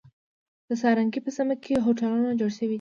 د څنارګی په سیمه کی هوټلونه جوړ شوی دی.